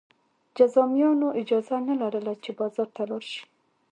جذامیانو اجازه نه لرله چې بازار ته لاړ شي.